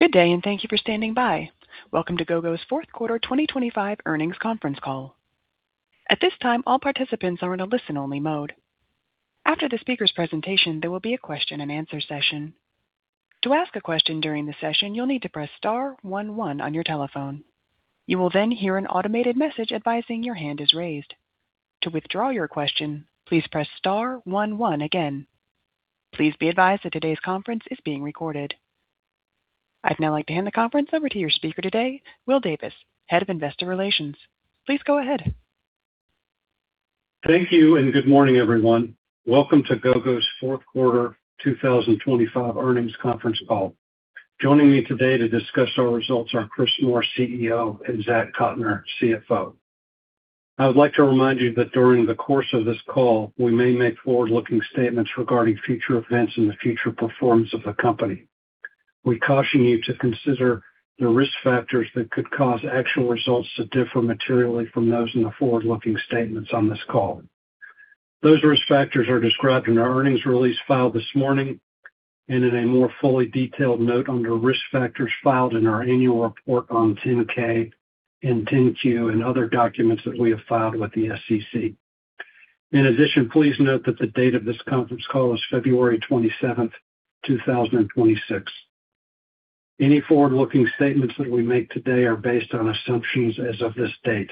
Good day, and thank you for standing by. Welcome to Gogo's fourth quarter 2025 earnings conference call. At this time, all participants are in a listen-only mode. After the speaker's presentation, there will be a question-and-answer session. To ask a question during the session, you'll need to press star 11 on your telephone. You will then hear an automated message advising your hand is raised. To withdraw your question, please press star 11 again. Please be advised that today's conference is being recorded. I'd now like to hand the conference over to your speaker today, Will Davis, Head of Investor Relations. Please go ahead. Thank you, good morning, everyone. Welcome to Gogo's 4th quarter 2025 earnings conference call. Joining me today to discuss our results are Chris Moore, CEO, and Zach Cotner, CFO. I would like to remind you that during the course of this call, we may make forward-looking statements regarding future events and the future performance of the company. We caution you to consider the risk factors that could cause actual results to differ materially from those in the forward-looking statements on this call. Those risk factors are described in our earnings release filed this morning and in a more fully detailed note under Risk Factors filed in our annual report on 10-K and 10-Q and other documents that we have filed with the SEC. Please note that the date of this conference call is February 27, 2026. Any forward-looking statements that we make today are based on assumptions as of this date,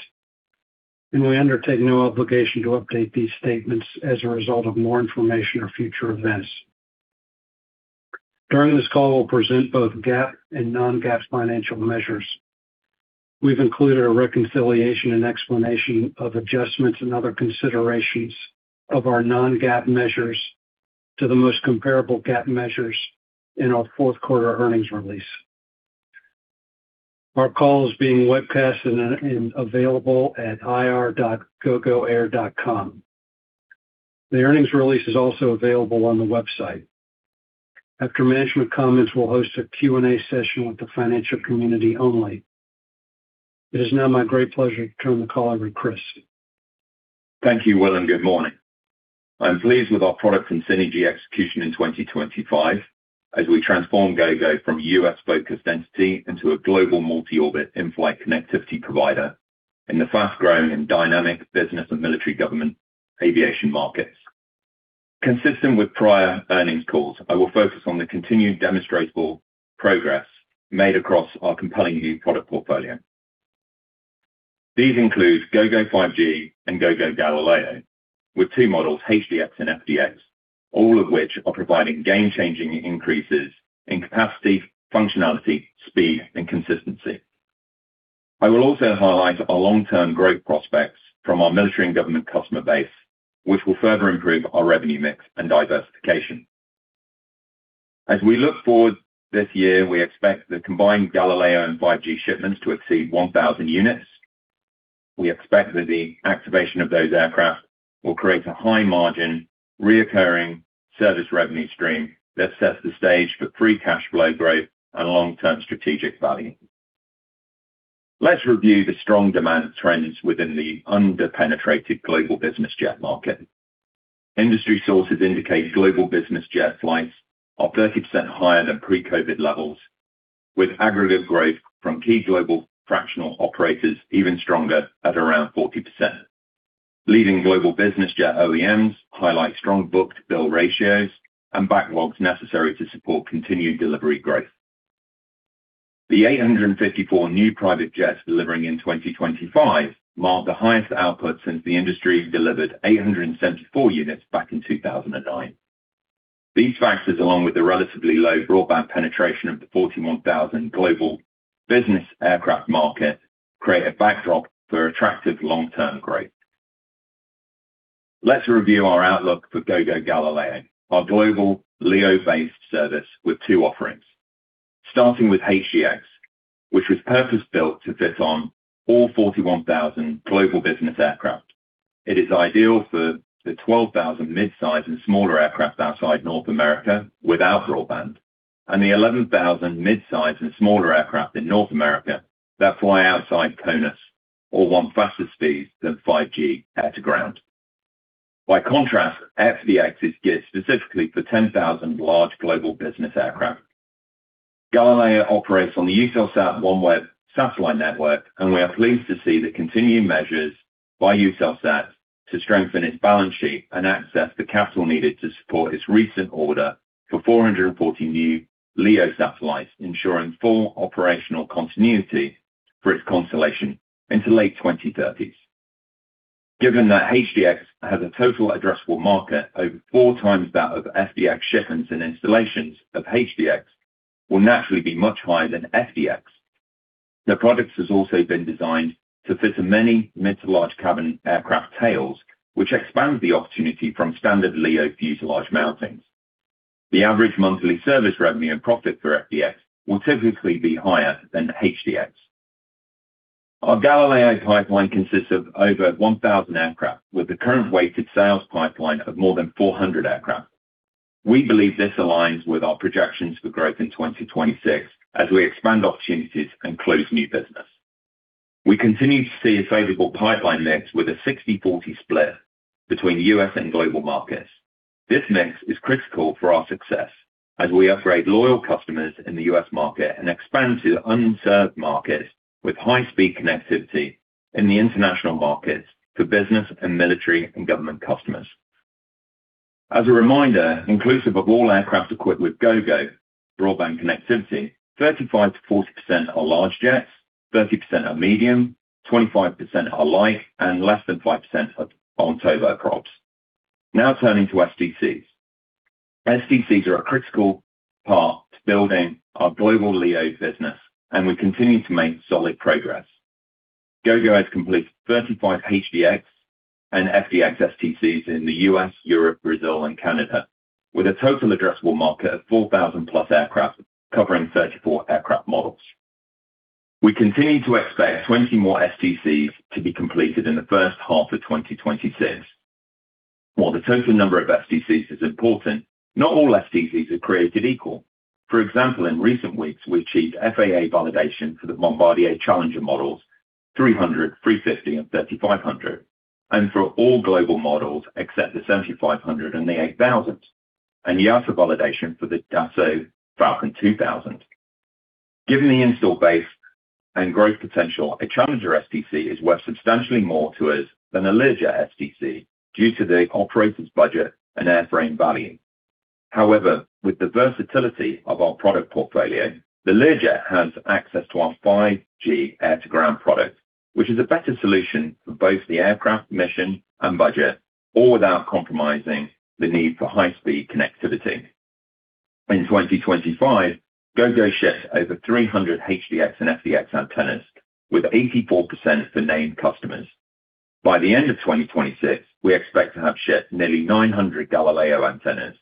and we undertake no obligation to update these statements as a result of more information or future events. During this call, we'll present both GAAP and non-GAAP financial measures. We've included a reconciliation and explanation of adjustments and other considerations of our non-GAAP measures to the most comparable GAAP measures in our fourth quarter earnings release. Our call is being webcast and available at ir.gogoair.com. The earnings release is also available on the website. After management comments, we'll host a Q&A session with the financial community only. It is now my great pleasure to turn the call over to Chris. Thank you, Will, and good morning. I'm pleased with our product and synergy execution in 2025 as we transform Gogo from a U.S.-focused entity into a global multi-orbit in-flight connectivity provider in the fast-growing and dynamic business and military government aviation markets. Consistent with prior earnings calls, I will focus on the continued demonstrable progress made across our compelling new product portfolio. These include Gogo 5G and Gogo Galileo, with two models, HDX and FDX, all of which are providing game-changing increases in capacity, functionality, speed, and consistency. I will also highlight our long-term growth prospects from our military and government customer base, which will further improve our revenue mix and diversification. As we look forward this year, we expect the combined Galileo and 5G shipments to exceed 1,000 units. We expect that the activation of those aircraft will create a high margin, reoccurring service revenue stream that sets the stage for free cash flow growth and long-term strategic value. Let's review the strong demand trends within the under-penetrated global business jet market. Industry sources indicate global business jet flights are 30% higher than pre-COVID levels, with aggregate growth from key global fractional operators even stronger at around 40%. Leading global business jet OEMs highlight strong book-to-bill ratios and backlogs necessary to support continued delivery growth. The 854 new private jets delivering in 2025 marked the highest output since the industry delivered 874 units back in 2009. These factors, along with the relatively low broadband penetration of the 41,000 global business aircraft market, create a backdrop for attractive long-term growth. Let's review our outlook for Gogo Galileo, our global LEO-based service with two offerings. Starting with HDX, which was purpose-built to fit on all 41,000 global business aircraft. It is ideal for the 12,000 midsize and smaller aircraft outside North America without broadband and the 11,000 midsize and smaller aircraft in North America that fly outside CONUS or want faster speeds than 5G Air-to-Ground. Contrast, FDX is geared specifically for 10,000 large global business aircraft. Galileo operates on the Eutelsat OneWeb satellite network. We are pleased to see the continuing measures by Eutelsat to strengthen its balance sheet and access the capital needed to support its recent order for 440 new LEO satellites, ensuring full operational continuity for its constellation into late 2030. Given that HDX has a Total Addressable Market over 4 times that of FDX shipments and installations of HDX will naturally be much higher than FDX. The product has also been designed to fit many mid to large cabin aircraft tails, which expands the opportunity from standard LEO fuselage mountings. The average monthly service revenue and profit for FDX will typically be higher than HDX. Our Galileo pipeline consists of over 1,000 aircraft, with a current weighted sales pipeline of more than 400 aircraft. We believe this aligns with our projections for growth in 2026 as we expand opportunities and close new business. We continue to see a favorable pipeline mix with a 60/40 split between U.S. and global markets. This mix is critical for our success as we upgrade loyal customers in the U.S. market and expand to unserved markets with high-speed connectivity in the international markets for business and military and government customers. As a reminder, inclusive of all aircraft equipped with Gogo broadband connectivity, 35%-40% are large jets, 30% are medium, 25% are light, and less than 5% are on turboprops. Turning to STCs. STCs are a critical part to building our global LEO business, and we continue to make solid progress. Gogo has completed 35 HDX and FDX STCs in the U.S., Europe, Brazil, and Canada, with a Total Addressable Market of 4,000+ aircraft, covering 34 aircraft models. We continue to expect 20 more STCs to be completed in the first half of 2026, while the total number of STCs is important, not all STCs are created equal. For example, in recent weeks, we achieved FAA validation for the Bombardier Challenger models, 300, 350, and 3500, and for all global models except the 7500 and the 8000, and EASA validation for the Dassault Falcon 2000. Given the install base and growth potential, a Challenger STC is worth substantially more to us than a Learjet STC due to the operator's budget and airframe value. However, with the versatility of our product portfolio, the Learjet has access to our 5G Air-to-Ground product, which is a better solution for both the aircraft mission and budget, all without compromising the need for high-speed connectivity. In 2025, Gogo shipped over 300 HDX and FDX antennas, with 84% for named customers. By the end of 2026, we expect to have shipped nearly 900 Galileo antennas,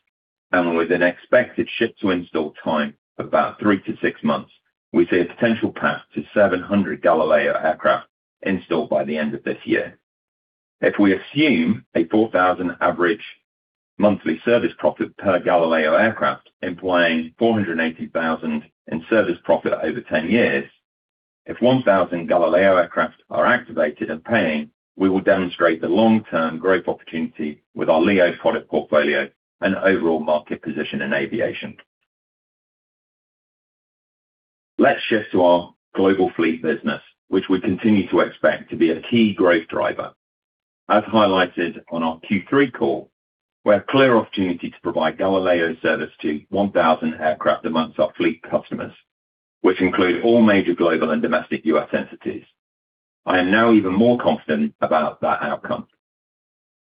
with an expected ship to install time of about 3 to 6 months, we see a potential path to 700 Galileo aircraft installed by the end of this year. If we assume a $4,000 average monthly service profit per Galileo aircraft, implying $480,000 in service profit over 10 years, if 1,000 Galileo aircraft are activated and paying, we will demonstrate the long-term growth opportunity with our LEO product portfolio and overall market position in aviation. Let's shift to our global fleet business, which we continue to expect to be a key growth driver. As highlighted on our Q3 call, we have a clear opportunity to provide Galileo service to 1,000 aircraft amongst our fleet customers, which include all major global and domestic U.S. entities. I am now even more confident about that outcome.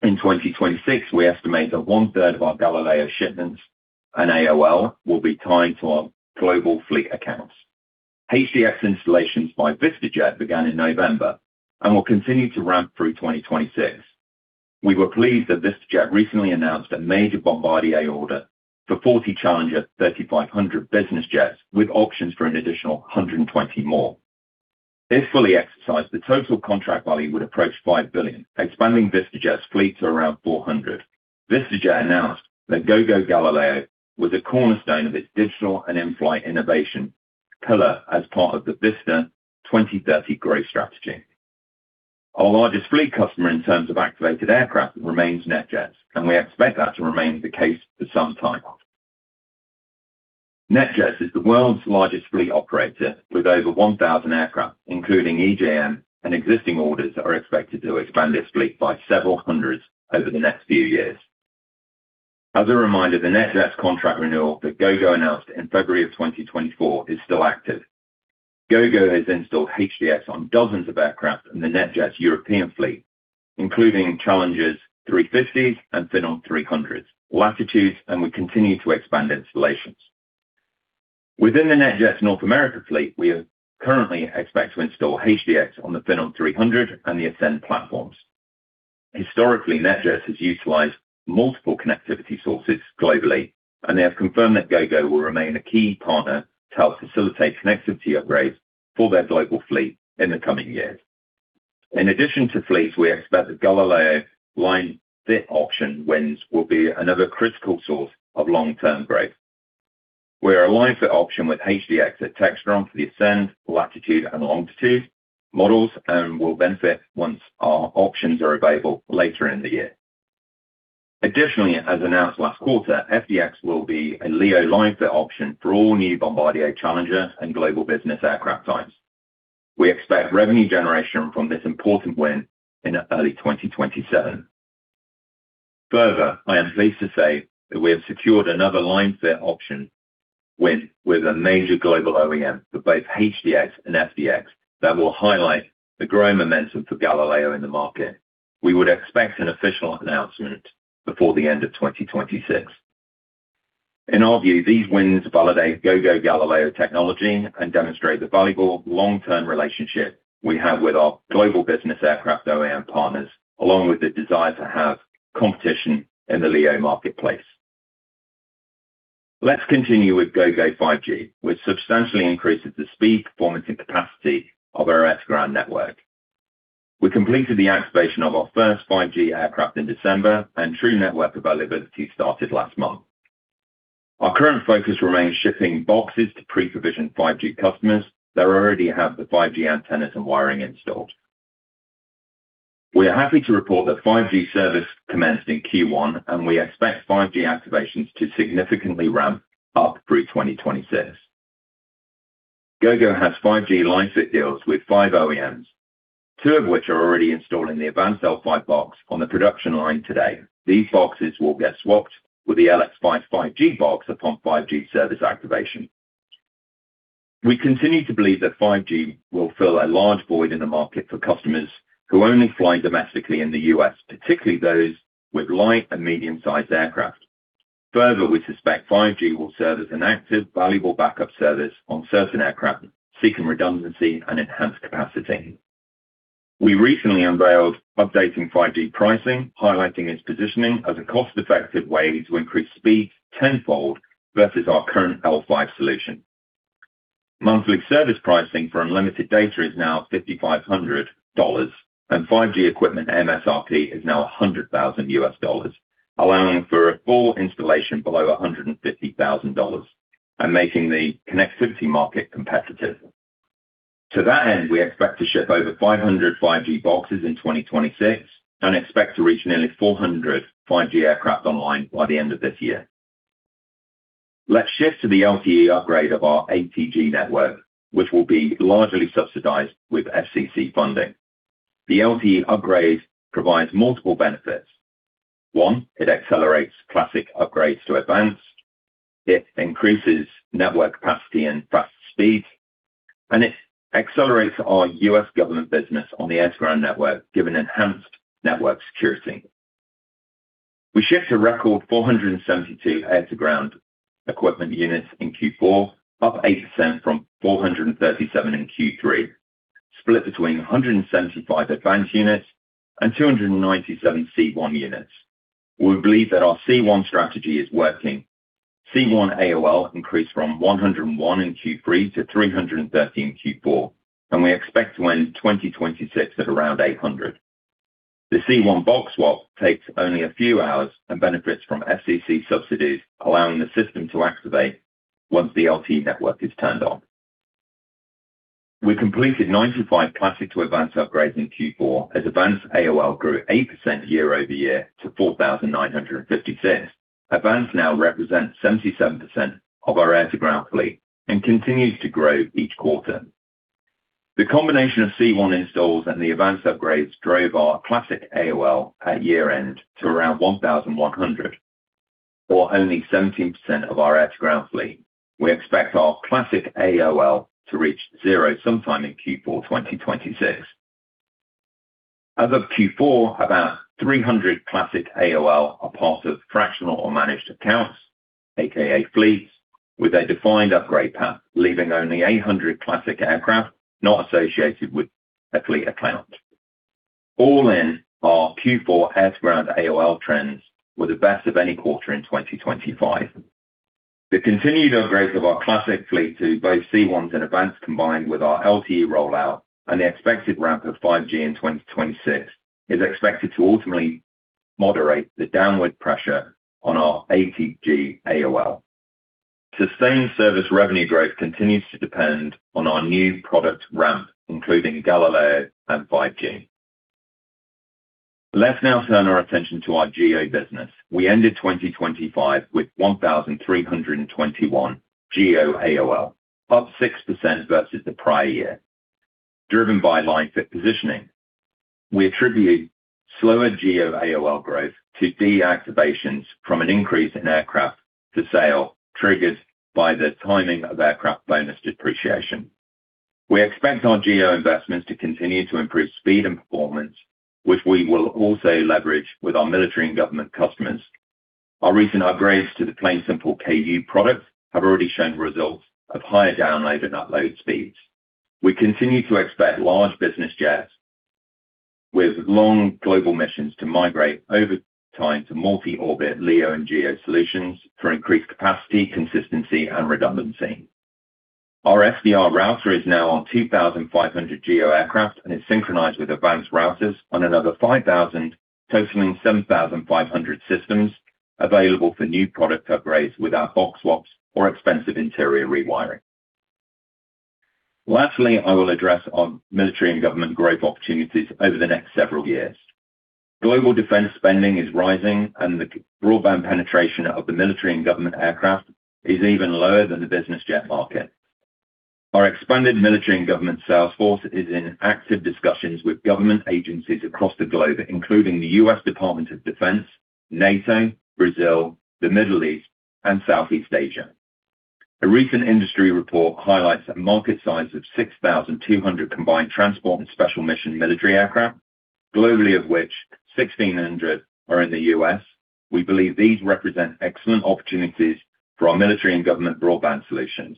In 2026, we estimate that one-third of our Galileo shipments and AOL will be tied to our global fleet accounts. HDX installations by VistaJet began in November and will continue to ramp through 2026. We were pleased that VistaJet recently announced a major Bombardier order for 40 Challenger 3500 business jets, with options for an additional 120 more. If fully exercised, the total contract value would approach $5 billion, expanding VistaJet's fleet to around 400. VistaJet announced that Gogo Galileo was a cornerstone of its digital and in-flight innovation pillar as part of the Vista 2030 growth strategy. Our largest fleet customer in terms of activated aircraft, remains NetJets, and we expect that to remain the case for some time. NetJets is the world's largest fleet operator, with over 1,000 aircraft, including EJN and existing orders that are expected to expand this fleet by several hundreds over the next few years. As a reminder, the NetJets contract renewal that Gogo announced in February of 2024 is still active. Gogo has installed HDX on dozens of aircraft in the NetJets European fleet, including Challengers 350s and Phenom 300s, Latitudes. We continue to expand installations. Within the NetJets North America fleet, we currently expect to install HDX on the Phenom 300 and the Ascend platforms. Historically, NetJets has utilized multiple connectivity sources globally. They have confirmed that Gogo will remain a key partner to help facilitate connectivity upgrades for their global fleet in the coming years. In addition to fleets, we expect the Galileo line fit option wins will be another critical source of long-term growth. We are a line fit option with HDX at Textron for the Ascend, Latitude, and Longitude models and will benefit once our options are available later in the year. Additionally, as announced last quarter, FDX will be a LEO line fit option for all new Bombardier Challenger and global business aircraft types. We expect revenue generation from this important win in early 2027. I am pleased to say that we have secured another line fit option win with a major global OEM for both HDX and FDX that will highlight the growing momentum for Gogo Galileo in the market. We would expect an official announcement before the end of 2026. In our view, these wins validate Gogo Galileo technology and demonstrate the valuable long-term relationship we have with our global business aircraft OEM partners, along with the desire to have competition in the LEO marketplace. Let's continue with Gogo 5G, which substantially increases the speed, performance, and capacity of our S ground network. We completed the activation of our first 5G aircraft in December, true network availability started last month. Our current focus remains shipping boxes to pre-provisioned 5G customers that already have the 5G antennas and wiring installed. We are happy to report that 5G service commenced in Q1. We expect 5G activations to significantly ramp up through 2026. Gogo has 5G license deals with 5 OEMs, 2 of which are already installing the AVANCE L5 box on the production line today. These boxes will get swapped with the LX5 5G box upon 5G service activation. We continue to believe that 5G will fill a large void in the market for customers who only fly domestically in the U.S., particularly those with light and medium-sized aircraft. Further, we suspect 5G will serve as an active, valuable backup service on certain aircraft, seeking redundancy and enhanced capacity. We recently unveiled updating 5G pricing, highlighting its positioning as a cost-effective way to increase speed tenfold versus our current L5 solution. Monthly service pricing for unlimited data is now $5,500, and 5G equipment MSRP is now $100,000, allowing for a full installation below $150,000 and making the connectivity market competitive. To that end, we expect to ship over 500 5G boxes in 2026 and expect to reach nearly 400 5G aircraft online by the end of this year. Let's shift to the LTE upgrade of our ATG network, which will be largely subsidized with FCC funding. The LTE upgrade provides multiple benefits. One, it accelerates Classic upgrades to AVANCE, it increases network capacity and fast speeds, and it accelerates our U.S. government business on the Air-to-Ground network, giving enhanced network security. We shipped a record 472 Air-to-Ground equipment units in Q4, up 8% from 437 in Q3, split between 175 AVANCE units and 297 C1 units. We believe that our C1 strategy is working. C1 AOL increased from 101 in Q3 to 313 in Q4, and we expect to end 2026 at around 800. The C1 box swap takes only a few hours and benefits from FCC subsidies, allowing the system to activate once the LTE network is turned on. We completed 95 Classic to AVANCE upgrades in Q4, as AVANCE AOL grew 8% year-over-year to 4,956. AVANCE now represents 77% of our Air-to-Ground fleet and continues to grow each quarter. The combination of C1 installs and the AVANCE upgrades drove our Classic AOL at year-end to around 1,100, or only 17% of our ATG fleet. We expect our Classic AOL to reach zero sometime in Q4 2026. As of Q4, about 300 Classic AOL are part of fractional or managed accounts, AKA fleets, with a defined upgrade path, leaving only 800 Classic aircraft not associated with a fleet account. All in our Q4 ATG AOL trends were the best of any quarter in 2025. The continued upgrade of our Classic fleet to both C1s and AVANCE, combined with our LTE rollout and the expected ramp of 5G in 2026, is expected to ultimately moderate the downward pressure on our ATG AOL. Sustained service revenue growth continues to depend on our new product ramp, including Gogo Galileo and 5G. Let's now turn our attention to our GEO business. We ended 2025 with 1,321 GEO AOL, up 6% versus the prior year, driven by line-fit positioning. We attribute slower GEO AOL growth to deactivations from an increase in aircraft to sale, triggered by the timing of aircraft bonus depreciation. We expect our GEO investments to continue to improve speed and performance, which we will also leverage with our military and government customers. Our recent upgrades to the Plane Simple KU products have already shown results of higher download and upload speeds. We continue to expect large business jets with long global missions to migrate over time to multi-orbit LEO and GEO solutions for increased capacity, consistency, and redundancy. Our SDR router is now on 2,500 GEO aircraft and is synchronized with AVANCE routers on another 5,000, totaling 7,500 systems available for new product upgrades without box swaps or expensive interior rewiring. I will address our military and government growth opportunities over the next several years. Global defense spending is rising, the broadband penetration of the military and government aircraft is even lower than the business jet market. Our expanded military and government sales force is in active discussions with government agencies across the globe, including the U.S. Department of Defense, NATO, Brazil, the Middle East, and Southeast Asia. A recent industry report highlights a market size of 6,200 combined transport and special mission military aircraft globally, of which 1,600 are in the U.S. We believe these represent excellent opportunities for our military and government broadband solutions,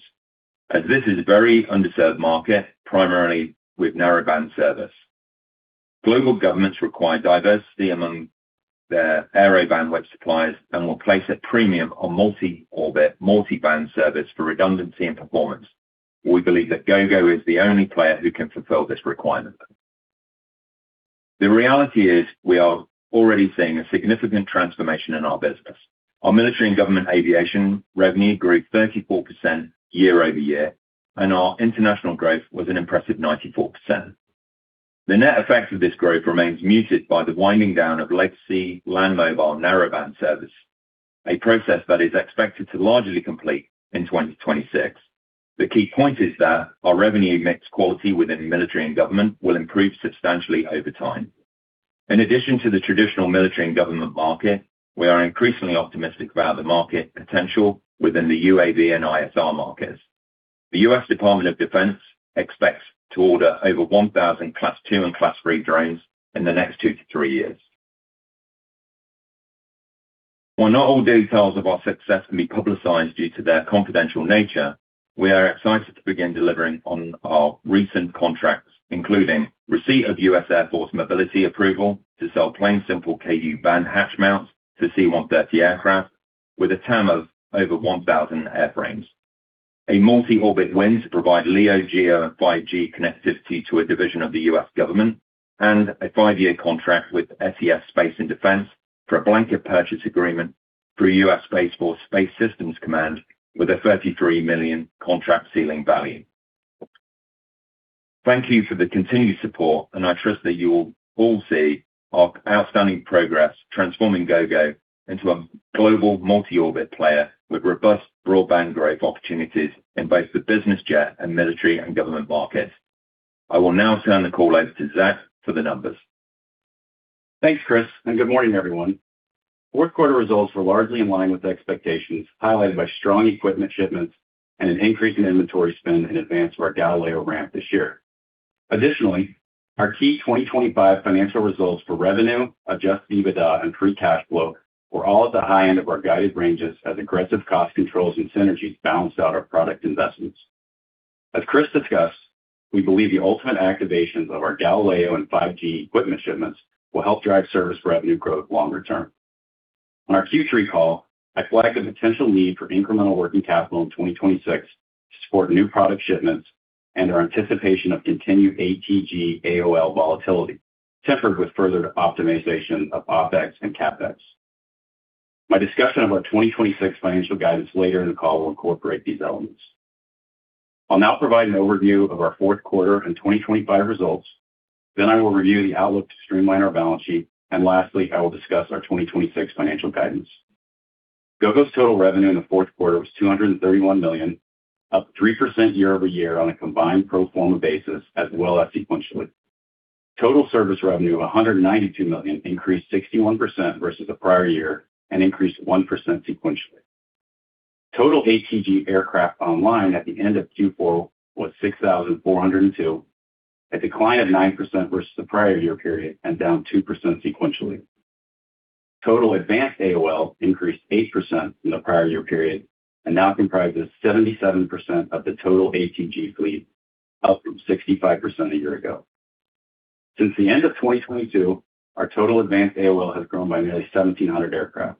as this is a very underserved market, primarily with narrowband service. Global governments require diversity among their aeronautical band web suppliers and will place a premium on multi-orbit, multiband service for redundancy and performance. We believe that Gogo is the only player who can fulfill this requirement. The reality is we are already seeing a significant transformation in our business. Our military and government aviation revenue grew 34% year-over-year, and our international growth was an impressive 94%. The net effect of this growth remains muted by the winding down of legacy land mobile narrowband service, a process that is expected to largely complete in 2026. The key point is that our revenue mix quality within military and government will improve substantially over time. In addition to the traditional military and government market, we are increasingly optimistic about the market potential within the UAV and ISR markets. The U.S. Department of Defense expects to order over 1,000 Class Two and Class Three drones in the next 2 to 3 years. While not all details of our success can be publicized due to their confidential nature, we are excited to begin delivering on our recent contracts, including receipt of U.S. Air Force mobility approval to sell Plane Simple Ku-band hatch mounts to C-130 aircraft, with a term of over 1,000 airframes. A multi-orbit win to provide LEO GEO 5G connectivity to a division of the U.S. government, and a five-year contract with SES Space & Defense for a blanket purchase agreement through U.S. Space Force Space Systems Command, with a $33 million contract ceiling value. Thank you for the continued support. I trust that you will all see our outstanding progress transforming Gogo into a global multi-orbit player with robust broadband growth opportunities in both the business jet and military and government markets. I will now turn the call over to Zach for the numbers. Thanks, Chris. Good morning, everyone. Fourth quarter results were largely in line with expectations, highlighted by strong equipment shipments and an increase in inventory spend in advance of our Gogo Galileo ramp this year. Additionally, our key 2025 financial results for revenue, Adjusted EBITDA, and free cash flow were all at the high end of our guided ranges as aggressive cost controls and synergies balanced out our product investments. As Chris discussed, we believe the ultimate activations of our Gogo Galileo and 5G equipment shipments will help drive service revenue growth longer term. On our Q3 call, I flagged a potential need for incremental working capital in 2026 to support new product shipments and our anticipation of continued ATG AOL volatility, tempered with further optimization of OpEx and CapEx. My discussion of our 2026 financial guidance later in the call will incorporate these elements. I'll now provide an overview of our fourth quarter and 2025 results. I will review the outlook to streamline our balance sheet. Lastly, I will discuss our 2026 financial guidance. Gogo's total revenue in the fourth quarter was $231 million, up 3% year-over-year on a combined pro forma basis as well as sequentially. Total service revenue of $192 million increased 61% versus the prior year and increased 1% sequentially. Total ATG aircraft online at the end of Q4 was 6,402, a decline of 9% versus the prior year period and down 2% sequentially. Total advanced AOL increased 8% in the prior year period and now comprises 77% of the total ATG fleet, up from 65% a year ago. Since the end of 2022, our total advanced AOL has grown by nearly 1,700 aircraft.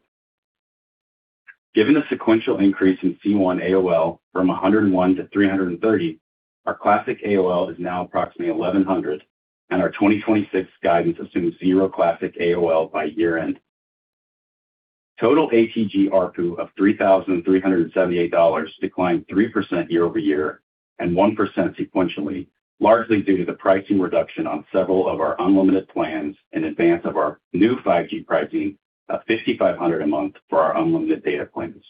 Given the sequential increase in C1 AOL from 101 to 330, our classic AOL is now approximately 1,100, and our 2026 guidance assumes 0 classic AOL by year-end. Total ATG ARPU of $3,378 declined 3% year-over-year and 1% sequentially, largely due to the pricing reduction on several of our unlimited plans in advance of our new 5G pricing of $5,500 a month for our unlimited data plans.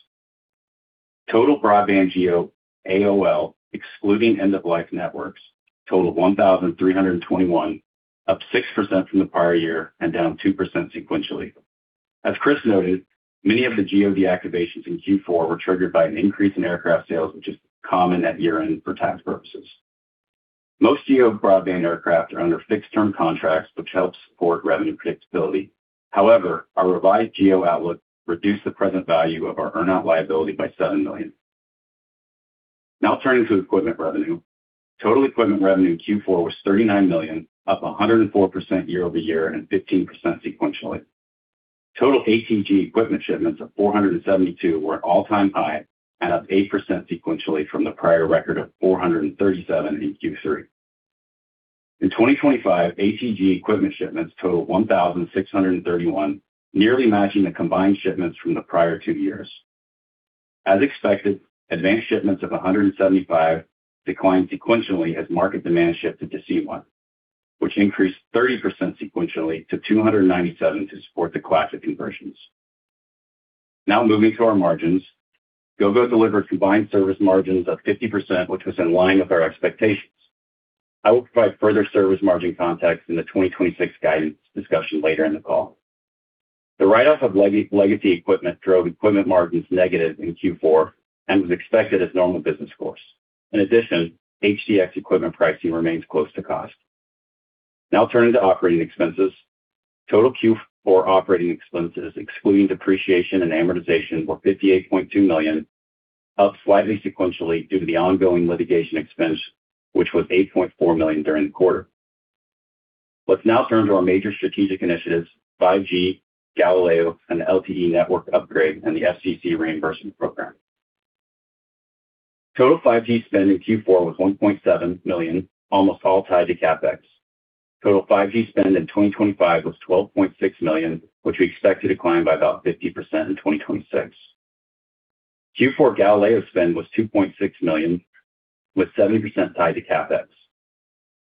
Total broadband GEO AOL, excluding end-of-life networks, totaled 1,321, up 6% from the prior year and down 2% sequentially. Chris noted, many of the GEO deactivations in Q4 were triggered by an increase in aircraft sales, which is common at year-end for tax purposes. Most GEO broadband aircraft are under fixed-term contracts, which help support revenue predictability. Our revised GEO outlook reduced the present value of our earn-out liability by $7 million. Turning to equipment revenue. Total equipment revenue in Q4 was $39 million, up 104% year-over-year and 15% sequentially. Total ATG equipment shipments of 472 were an all-time high and up 8% sequentially from the prior record of 437 in Q3. In 2025, ATG equipment shipments totaled 1,631, nearly matching the combined shipments from the prior two years. As expected, advanced shipments of 175 declined sequentially as market demand shifted to Gogo C1, which increased 30% sequentially to 297 to support the classic conversions. Now moving to our margins. Gogo delivered combined service margins of 50%, which was in line with our expectations. I will provide further service margin context in the 2026 guidance discussion later in the call. The write-off of legacy equipment drove equipment margins negative in Q4 and was expected as normal business course. In addition, HDX equipment pricing remains close to cost. Now turning to operating expenses. Total Q4 operating expenses, excluding depreciation and amortization, were $58.2 million, up slightly sequentially due to the ongoing litigation expense, which was $8.4 million during the quarter. Let's now turn to our major strategic initiatives, 5G, Galileo, and the LTE network upgrade, and the FCC reimbursement program. Total 5G spend in Q4 was $1.7 million, almost all tied to CapEx. Total 5G spend in 2025 was $12.6 million, which we expect to decline by about 50% in 2026. Q4 Galileo spend was $2.6 million, with 70% tied to CapEx.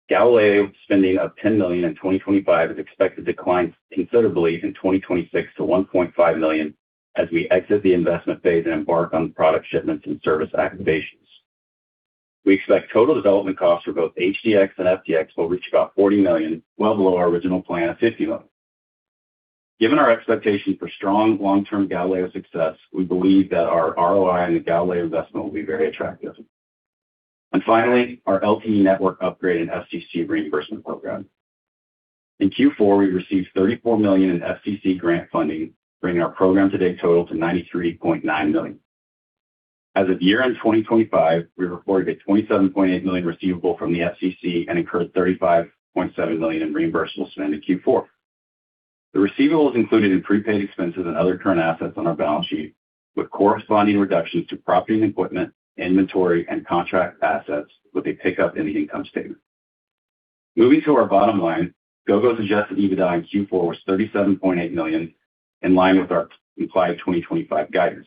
Galileo spending of $10 million in 2025 is expected to decline considerably in 2026 to $1.5 million as we exit the investment phase and embark on product shipments and service activations. We expect total development costs for both HDX and FDX will reach about $40 million, well below our original plan of $50 million. Given our expectation for strong long-term Galileo success, we believe that our ROI on the Galileo investment will be very attractive. Finally, our LTE network upgrade and FCC reimbursement program. In Q4, we received $34 million in FCC grant funding, bringing our program to date total to $93.9 million. As of year-end 2025, we reported a $27.8 million receivable from the FCC and incurred $35.7 million in reimbursable spend in Q4. The receivable is included in prepaid expenses and other current assets on our balance sheet, with corresponding reductions to property and equipment, inventory, and contract assets, with a pickup in the income statement. Moving to our bottom line, Gogo's Adjusted EBITDA in Q4 was $37.8 million, in line with our implied 2025 guidance.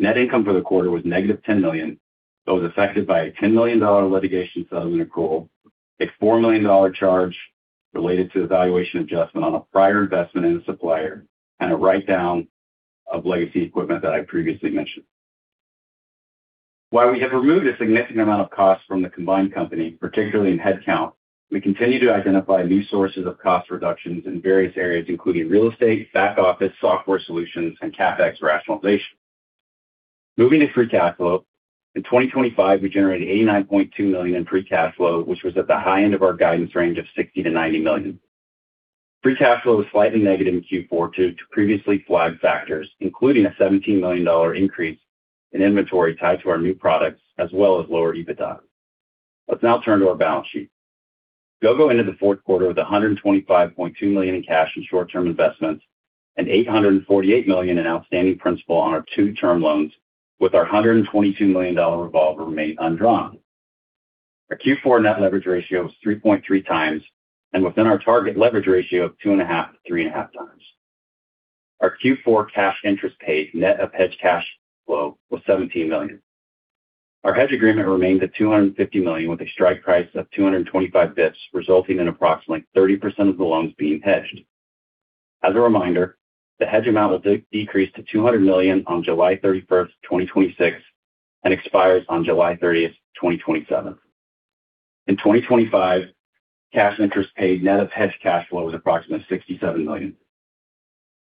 Net income for the quarter was negative $10 million, but was affected by a $10 million litigation settlement accrual, a $4 million charge related to the valuation adjustment on a prior investment in a supplier, and a write-down of legacy equipment that I previously mentioned. While we have removed a significant amount of costs from the combined company, particularly in headcount, we continue to identify new sources of cost reductions in various areas, including real estate, back office, software solutions, and CapEx rationalization. Moving to free cash flow. In 2025, we generated $89.2 million in free cash flow, which was at the high end of our guidance range of $60 million-$90 million. Free cash flow was slightly negative in Q4 due to previously flagged factors, including a $17 million increase in inventory tied to our new products, as well as lower EBITDA. Let's now turn to our balance sheet. Gogo ended the fourth quarter with $125.2 million in cash and short-term investments and $848 million in outstanding principal on our two-term loans, with our $122 million revolver remaining undrawn. Our Q4 net leverage ratio was 3.3 times and within our target leverage ratio of 2.5-3.5 times. Our Q4 cash interest paid, net of hedged cash flow, was $17 million. Our hedge agreement remained at $250 million, with a strike price of 225 basis points, resulting in approximately 30% of the loans being hedged. As a reminder, the hedge amount will de-decrease to $200 million on July 31st, 2026, and expires on July 30th, 2027. In 2025, cash interest paid net of hedged cash flow was approximately $67 million.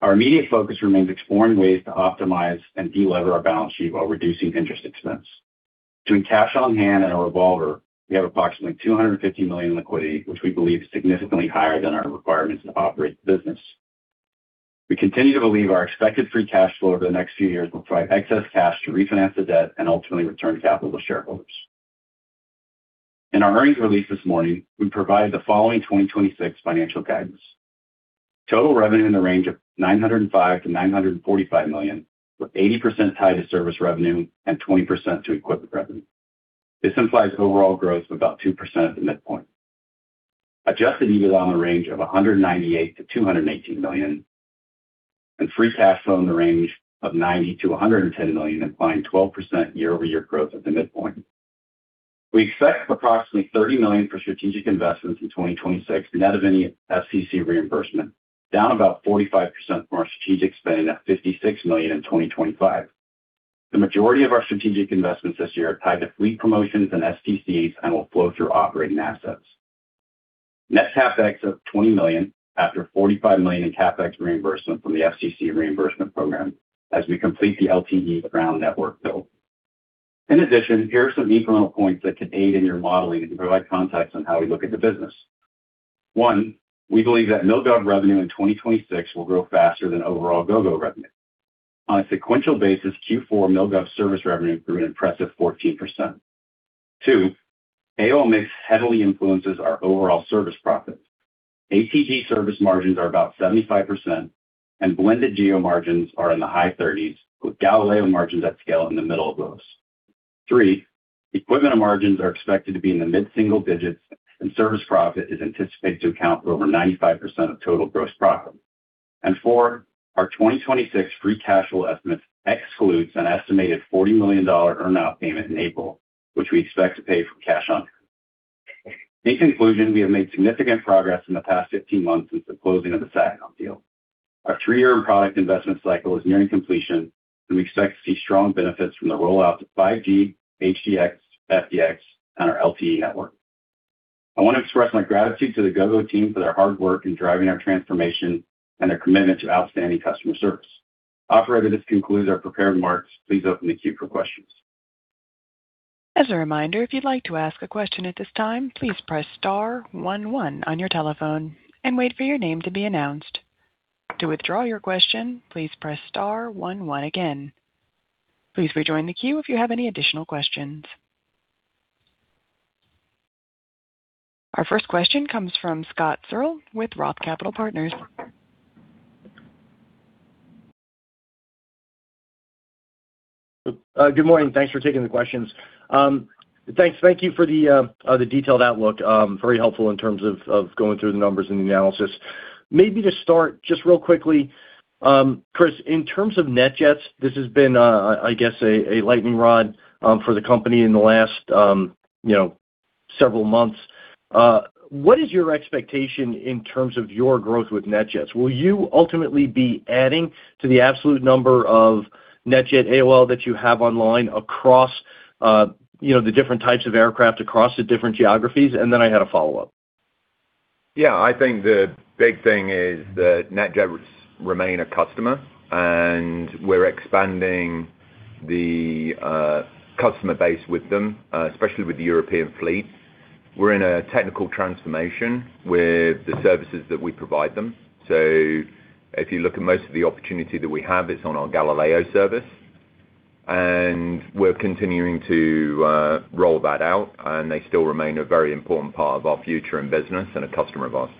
Our immediate focus remains exploring ways to optimize and delever our balance sheet while reducing interest expense. Between cash on hand and our revolver, we have approximately $250 million in liquidity, which we believe is significantly higher than our requirements to operate the business. We continue to believe our expected free cash flow over the next few years will provide excess cash to refinance the debt and ultimately return capital to shareholders. In our earnings release this morning, we provided the following 2026 financial guidance: Total revenue in the range of $905 million-$945 million, with 80% tied to service revenue and 20% to equipment revenue. This implies overall growth of about 2% at the midpoint. Adjusted EBITDA in the range of $198 million-$218 million, and free cash flow in the range of $90 million-$110 million, implying 12% year-over-year growth at the midpoint. We expect approximately $30 million for strategic investments in 2026, net of any FCC reimbursement, down about 45% from our strategic spending at $56 million in 2025. The majority of our strategic investments this year are tied to fleet promotions and STCs and will flow through operating assets. Net CapEx of $20 million after $45 million in CapEx reimbursement from the FCC reimbursement program as we complete the LTE ground network build. In addition, here are some incremental points that can aid in your modeling and provide context on how we look at the business. 1. We believe that Milgov revenue in 2026 will grow faster than overall Gogo revenue. On a sequential basis, Q4 Milgov service revenue grew an impressive 14%. 2. ATG mix heavily influences our overall service profits. ATG service margins are about 75%, and blended GEO margins are in the high 30s, with Galileo margins at scale in the middle of those. 3. Equipment margins are expected to be in the mid-single digits, and service profit is anticipated to account for over 95% of total gross profit. 4. Our 2026 free cash flow estimate excludes an estimated $40 million earn out payment in April, which we expect to pay for cash on. In conclusion, we have made significant progress in the past 15 months since the closing of the SATCOM deal. Our three-year product investment cycle is nearing completion. We expect to see strong benefits from the rollout of 5G, HDX, FDX, and our LTE network. I want to express my gratitude to the Gogo team for their hard work in driving our transformation and their commitment to outstanding customer service. Operator, this concludes our prepared remarks. Please open the queue for questions. As a reminder, if you'd like to ask a question at this time, please press star one one on your telephone and wait for your name to be announced. To withdraw your question, please press star one one again. Please rejoin the queue if you have any additional questions. Our first question comes from Scott Searle with Roth Capital Partners. Good morning. Thanks for taking the questions. Thanks, thank you for the detailed outlook. Very helpful in terms of going through the numbers and the analysis. Maybe to start, just real quickly, Chris, in terms of NetJets, this has been I guess, a lightning rod for the company in the last, you know, several months. What is your expectation in terms of your growth with NetJets? Will you ultimately be adding to the absolute number of NetJets AOL that you have online across, you know, the different types of aircraft across the different geographies? Then I had a follow-up. I think the big thing is that NetJets remain a customer. We're expanding the customer base with them, especially with the European fleet. We're in a technical transformation with the services that we provide them. If you look at most of the opportunity that we have, it's on our Galileo service. We're continuing to roll that out. They still remain a very important part of our future and business and a customer of ours.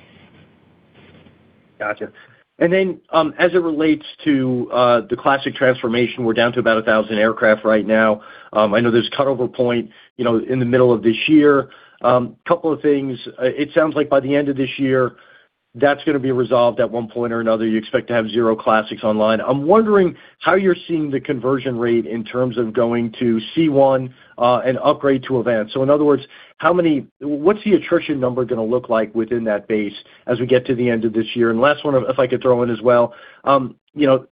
Gotcha. As it relates to the Classic transformation, we're down to about 1,000 aircraft right now. I know there's a cutover point, you know, in the middle of this year. Couple of things. It sounds like by the end of this year, that's gonna be resolved at one point or another. You expect to have zero Classics online. I'm wondering how you're seeing the conversion rate in terms of going to Gogo C1 and upgrade to AVANCE. In other words, what's the attrition number gonna look like within that base as we get to the end of this year? Last one, if I could throw in as well, you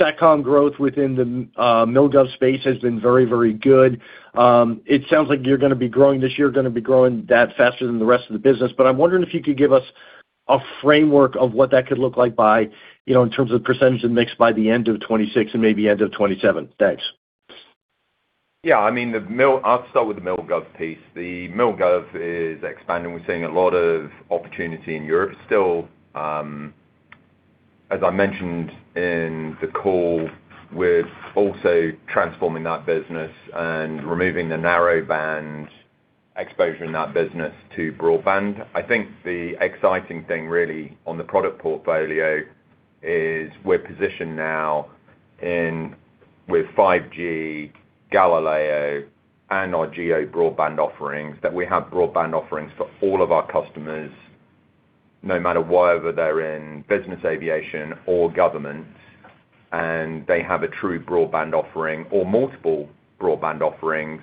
know, SATCOM growth within the Milgov space has been very, very good. It sounds like you're gonna be growing this year, gonna be growing that faster than the rest of the business. I'm wondering if you could give us a framework of what that could look like by, you know, in terms of % and mix by the end of 2026 and maybe end of 2027. Thanks. I mean, I'll start with the Milgov piece. The Milgov is expanding. We're seeing a lot of opportunity in Europe. Still, as I mentioned in the call, we're also transforming that business and removing the narrowband exposure in that business to broadband. I think the exciting thing, really, on the product portfolio is we're positioned now with Gogo 5G, Gogo Galileo and our GEO broadband offerings, that we have broadband offerings for all of our customers, no matter whether they're in business aviation or government. They have a true broadband offering or multiple broadband offerings,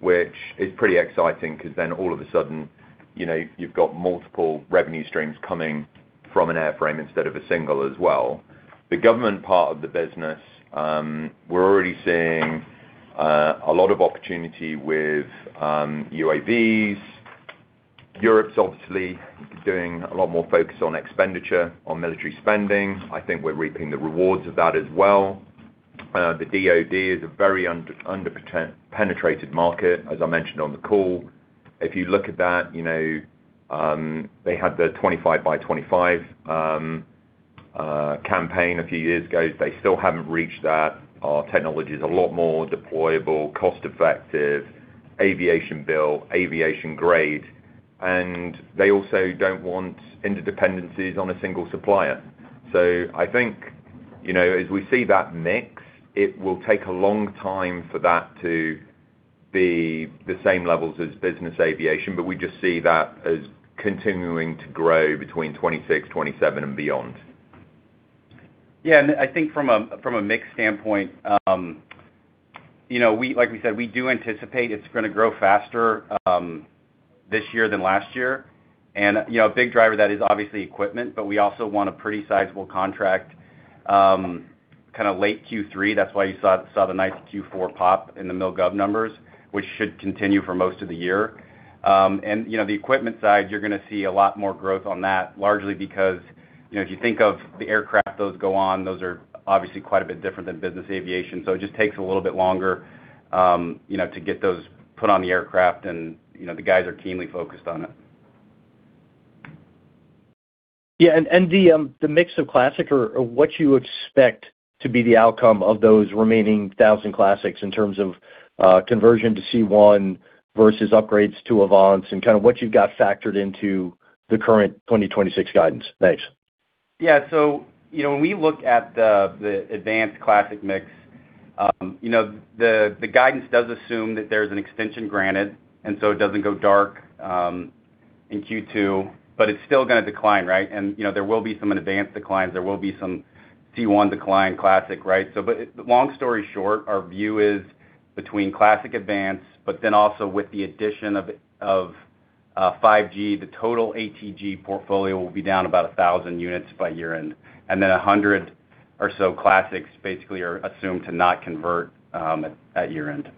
which is pretty exciting, because then all of a sudden, you know, you've got multiple revenue streams coming from an airframe instead of a single as well. The government part of the business, we're already seeing a lot of opportunity with UAVs. Europe's obviously doing a lot more focus on expenditure, on military spending. I think we're reaping the rewards of that as well. The DoD is a very under-penetrated market, as I mentioned on the call. If you look at that, you know, they had the 25 by 25 campaign a few years ago. They still haven't reached that. Our technology is a lot more deployable, cost-effective, aviation build, aviation grade, and they also don't want interdependencies on a single supplier. I think, you know, as we see that mix, it will take a long time for that to be the same levels as business aviation, but we just see that as continuing to grow between 26, 27 and beyond. Yeah, I think from a, from a mix standpoint, you know, like we said, we do anticipate it's gonna grow faster, this year than last year. You know, a big driver of that is obviously equipment, but we also won a pretty sizable contract, kind of late Q3. That's why you saw the nice Q4 pop in the Milgov numbers, which should continue for most of the year. You know, the equipment side, you're gonna see a lot more growth on that, largely because, you know, if you think of the aircraft, those go on, those are obviously quite a bit different than business aviation, so it just takes a little bit longer, you know, to get those put on the aircraft and, you know, the guys are keenly focused on it. Yeah, the mix of classic or what you expect to be the outcome of those remaining 1,000 classics in terms of conversion to C1 versus upgrades to Advanced and kind of what you've got factored into the current 2026 guidance. Thanks. Yeah. You know, when we look at the AVANCE Classic mix, you know, the guidance does assume that there's an extension granted, and so it doesn't go dark in Q2, but it's still gonna decline, right? You know, there will be some AVANCE declines, there will be some Gogo C1 decline Classic, right? Long story short, our view is between Classic AVANCE, but then also with the addition of 5G, the total ATG portfolio will be down about 1,000 units by year-end, and then 100 or so Classics basically are assumed to not convert at year-end.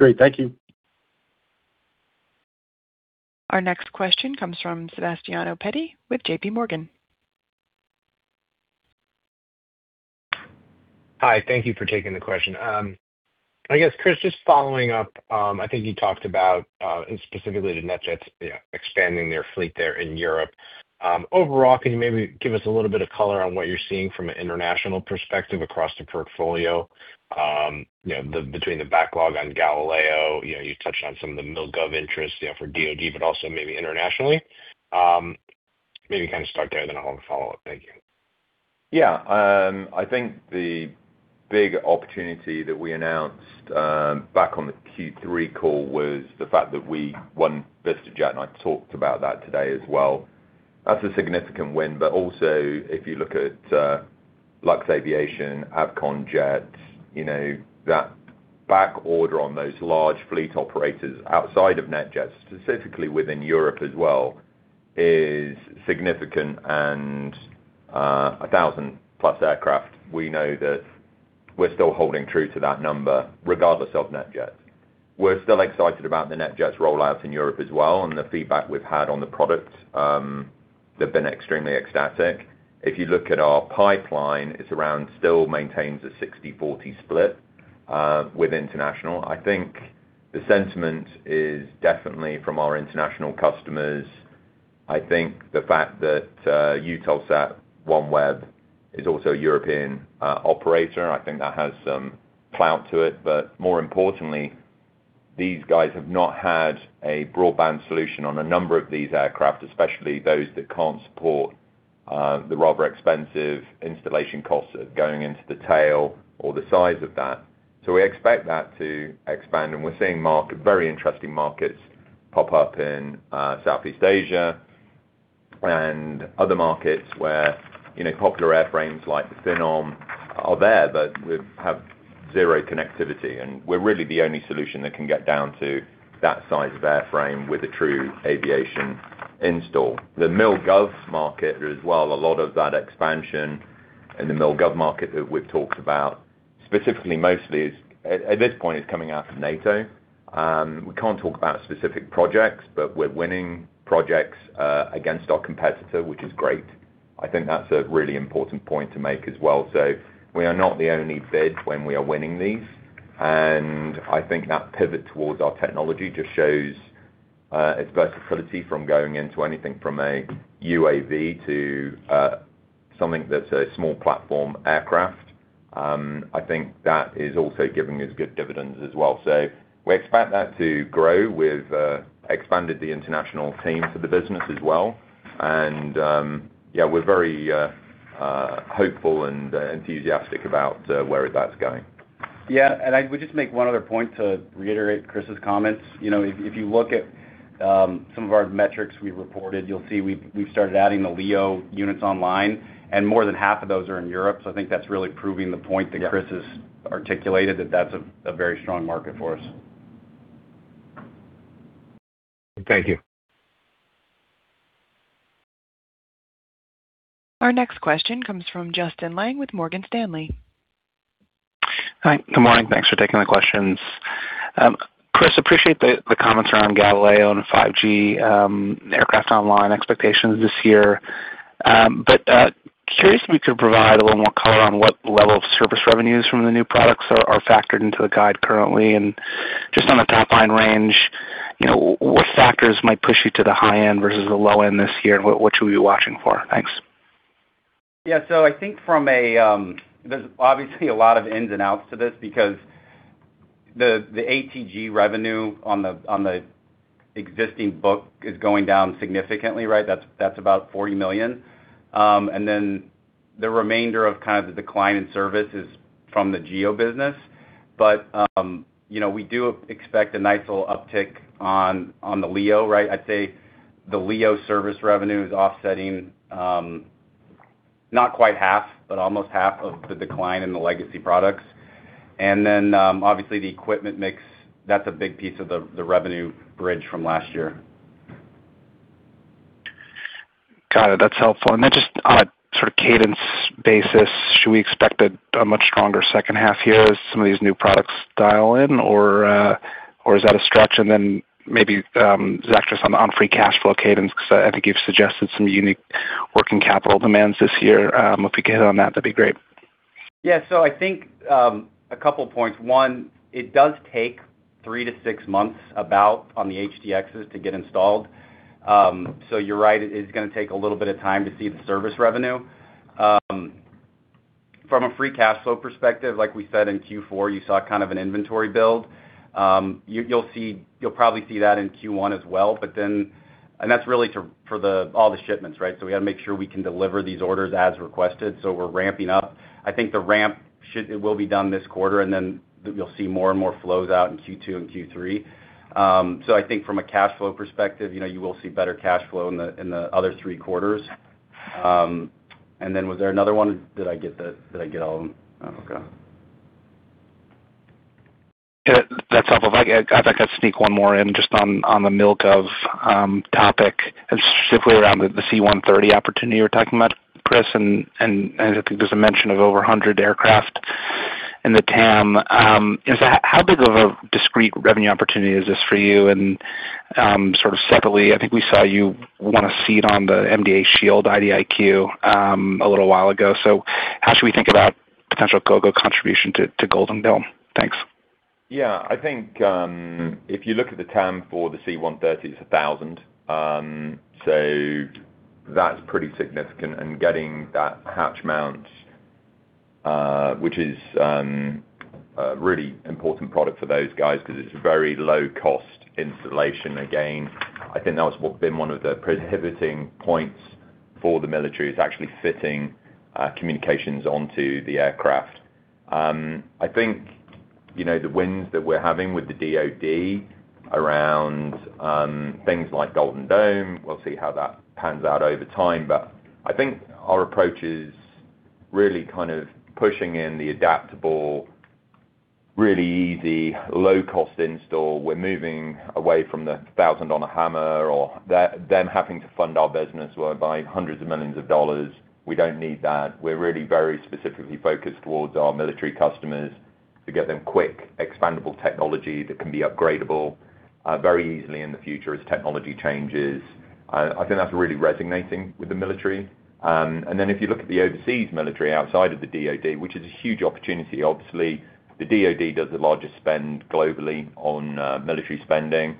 Great. Thank you. Our next question comes from Sebastiano Petti with JPMorgan. Hi, thank you for taking the question. I guess, Chris, just following up, I think you talked about specifically the NetJets, yeah, expanding their fleet there in Europe. Overall, can you maybe give us a little bit of color on what you're seeing from an international perspective across the portfolio, you know, the, between the backlog on Galileo, you know, you touched on some of the Milgov interest, you know, for DoD, but also maybe internationally? Maybe kind of start there, and then I'll have a follow-up. Thank you. Yeah, I think the big opportunity that we announced back on the Q3 call was the fact that we won VistaJet, and I talked about that today as well. Also, if you look at Luxaviation, Avconjet, you know, that back order on those large fleet operators outside of NetJets, specifically within Europe as well, is significant and 1,000-plus aircraft, we know that we're still holding true to that number, regardless of NetJets. We're still excited about the NetJets rollout in Europe as well, the feedback we've had on the products, they've been extremely ecstatic. If you look at our pipeline, it's around, still maintains a 60-40 split with international. I think the sentiment is definitely from our international customers. I think the fact that Eutelsat OneWeb is also a European operator, I think that has some clout to it. More importantly, these guys have not had a broadband solution on a number of these aircraft, especially those that can't support the rather expensive installation costs of going into the tail or the size of that. We expect that to expand, and we're seeing very interesting markets pop up in Southeast Asia and other markets where, you know, popular airframes, like the Phenom, are there, but we have zero connectivity, and we're really the only solution that can get down to that size of airframe with a true aviation install. The Mil Gov market as well, a lot of that expansion in the Mil Gov market that we've talked about, specifically, mostly is, at this point, is coming out of NATO. We can't talk about specific projects, but we're winning projects against our competitor, which is great. I think that's a really important point to make as well. We are not the only bid when we are winning these, and I think that pivot towards our technology just shows its versatility from going into anything from a UAV to something that's a small platform aircraft. I think that is also giving us good dividends as well. We expect that to grow. We've expanded the international team for the business as well, and yeah, we're very hopeful and enthusiastic about where that's going. Yeah, I would just make one other point to reiterate Chris's comments. You know, if you look at some of our metrics we reported, you'll see we've started adding the LEO units online, and more than half of those are in Europe, so I think that's really proving the point. Yeah. -that Chris has articulated, that that's a very strong market for us. Thank you. Our next question comes from Justin Lang with Morgan Stanley. Hi. Good morning. Thanks for taking the questions. Chris, appreciate the comments around Galileo and the 5G aircraft online expectations this year. Curious if you could provide a little more color on what level of service revenues from the new products are factored into the guide currently? Just on the top-line range, you know, what factors might push you to the high end versus the low end this year, and what should we be watching for? Thanks. There's obviously a lot of ins and outs to this because the ATG revenue on the existing book is going down significantly, right? That's about $40 million. The remainder of kind of the decline in service is from the GEO business. You know, we do expect a nice little uptick on the LEO, right? I'd say the LEO service revenue is offsetting not quite half, but almost half of the decline in the legacy products. Obviously, the equipment mix, that's a big piece of the revenue bridge from last year. Got it. That's helpful. Just on a sort of cadence basis, should we expect a much stronger second half year as some of these new products dial in, or is that a stretch? Maybe, just actually on free cash flow cadence, because I think you've suggested some unique working capital demands this year. If we could hit on that'd be great. I think a couple points. One, it does take 3 to 6 months, about, on the HDXs to get installed. You're right, it is gonna take a little bit of time to see the service revenue. From a free cash flow perspective, like we said, in Q4, you saw kind of an inventory build. You'll probably see that in Q1 as well. That's really for all the shipments, right? We got to make sure we can deliver these orders as requested, so we're ramping up. I think the ramp will be done this quarter, and then you'll see more and more flows out in Q2 and Q3. I think from a cash flow perspective, you know, you will see better cash flow in the other three quarters. Was there another one, or did I get all of them? Okay. Yeah, that's helpful. If I could, I'd like to sneak one more in just on the Milgov topic, and specifically around the C-130 opportunity you were talking about, Chris, and I think there's a mention of over 100 aircraft in the TAM. Is that, how big of a discrete revenue opportunity is this for you? Sort of secondly, I think we saw you won a seat on the MDA C-SHIELD IDIQ a little while ago, so how should we think about potential Gogo contribution to Golden Dome? Thanks. Yeah, I think if you look at the TAM for the C-130, it's 1,000. That's pretty significant, and getting that which is a really important product for those guys, 'cause it's very low-cost installation. Again, I think that's what been one of the prohibiting points for the military, is actually fitting communications onto the aircraft. I think, you know, the wins that we're having with the DoD around things like Golden Dome, we'll see how that pans out over time, I think our approach is really kind of pushing in the adaptable, really easy, low-cost install. We're moving away from the $1,000-dollar hammer or them having to fund our business where by hundreds of millions of dollars. We don't need that. We're really very specifically focused towards our military customers to get them quick, expandable technology that can be upgradable, very easily in the future as technology changes. I think that's really resonating with the military. Then, if you look at the overseas military outside of the DoD, which is a huge opportunity, obviously, the DoD does the largest spend globally on military spending.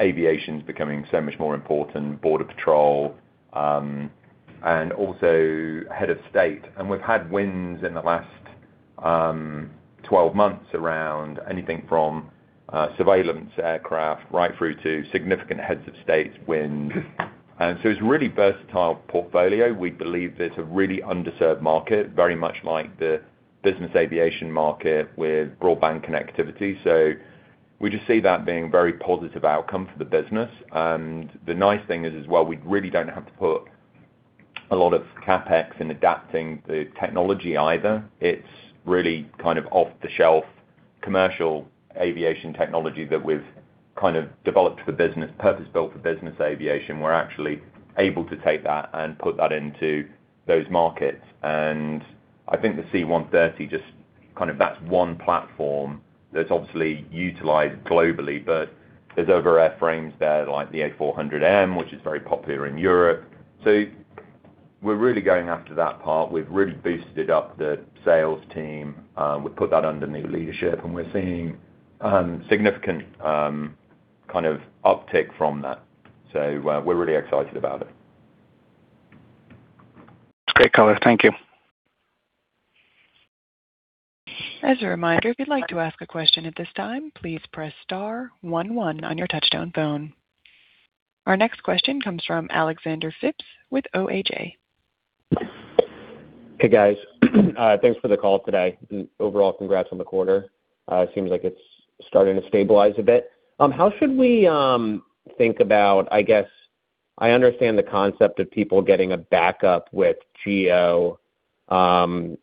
Aviation's becoming so much more important, border patrol, and also head of state. We've had wins in the last 12 months around anything from surveillance aircraft right through to significant heads of state wins. It's a really versatile portfolio. We believe there's a really underserved market, very much like the business aviation market with broadband connectivity. We just see that being very positive outcome for the business. The nice thing is, as well, we really don't have to put a lot of CapEx in adapting the technology either. It's really kind of off-the-shelf, commercial aviation technology that we've kind of developed for business, purpose-built for business aviation. We're actually able to take that and put that into those markets. I think the C-130 just kind of, that's one platform that's obviously utilized globally, but there's other airframes there, like the A400M, which is very popular in Europe. We're really going after that part. We've really boosted up the sales team, we've put that under new leadership, and we're seeing significant kind of uptick from that. We're really excited about it. Great color. Thank you. As a reminder, if you'd like to ask a question at this time, please press star 1 1 on your touch-tone phone. Our next question comes from Alexander Phipps with OHA. Hey, guys. Thanks for the call today. Overall, congrats on the quarter. It seems like it's starting to stabilize a bit. I guess, I understand the concept of people getting a backup with GEO to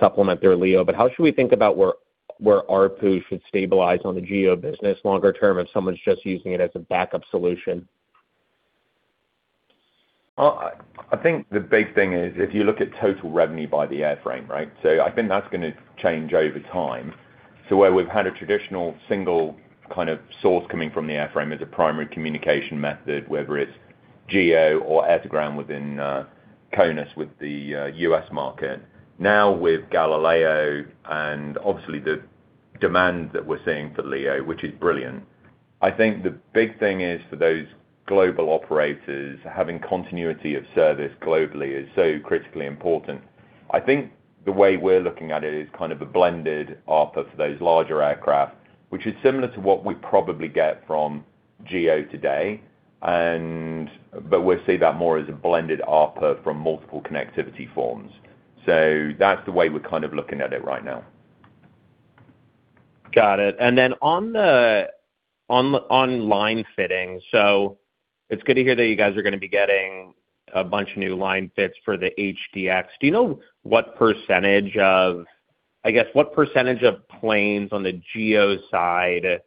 supplement their LEO, but how should we think about where ARPU should stabilize on the GEO business longer term, if someone's just using it as a backup solution? I think the big thing is, if you look at total revenue by the airframe, right? I think that's gonna change over time. Where we've had a traditional single kind of source coming from the airframe as a primary communication method, whether it's GEO or Air-to-Ground within CONUS with the U.S. market. With Galileo and obviously the demand that we're seeing for LEO, which is brilliant, I think the big thing is for those global operators, having continuity of service globally is so critically important. I think the way we're looking at it is kind of a blended ARPU for those larger aircraft, which is similar to what we probably get from GEO today, but we'll see that more as a blended ARPU from multiple connectivity forms. That's the way we're kind of looking at it right now. Got it. On the line fitting, it's good to hear that you guys are gonna be getting a bunch of new line fits for the HDX. Do you know what percentage of planes on the GEO side,